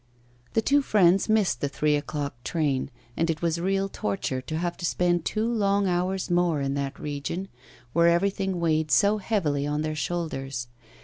The two friends missed the three o'clock train, and it was real torture to have to spend two long hours more in that region, where everything weighed so heavily on their shoulders.